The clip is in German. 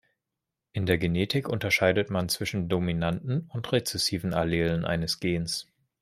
In der Genetik unterscheidet man zwischen dominanten und rezessiven Allelen eines Gens.